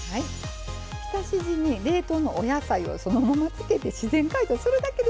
浸し地に冷凍のお野菜をそのままつけて自然解凍するだけでできるんですよ。